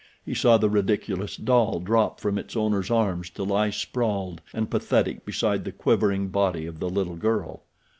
He saw the ridiculous doll drop from its owner's arms to lie sprawled and pathetic beside the quivering body of the little girl.